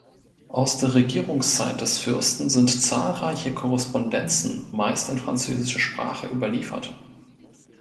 Aus der Regierungszeit des Fürsten sind zahlreiche Korrespondenzen meist in französischer Sprache überliefert.